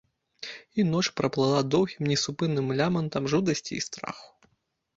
І ноч праплыла доўгім несупынным лямантам жудасці і страху.